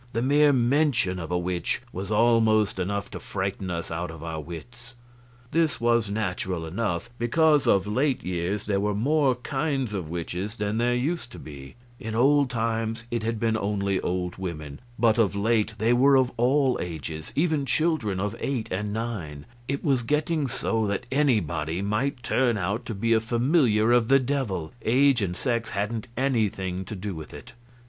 The mere mention of a witch was almost enough to frighten us out of our wits. This was natural enough, because of late years there were more kinds of witches than there used to be; in old times it had been only old women, but of late years they were of all ages even children of eight and nine; it was getting so that anybody might turn out to be a familiar of the Devil age and sex hadn't anything to do with it.